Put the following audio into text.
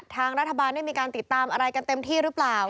ทางรัฐบาลได้มีการติดตามอะไรกันเต็มที่หรือเปล่า